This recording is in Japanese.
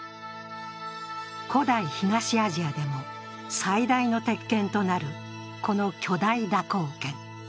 古代東アジアでも最大の鉄剣となる、この巨大蛇行剣。